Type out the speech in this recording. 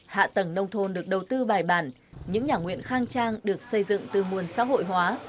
hạ tầng nông thôn được đầu tư bài bản những nhà nguyện khang trang được xây dựng từ nguồn xã hội hóa